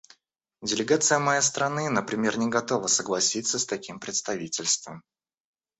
Делегация моей страны, например, не готова согласиться с таким представительством.